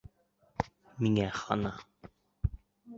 Миңә хана!